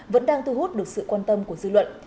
vẫn đang thu hút được sự quan tâm của dư luận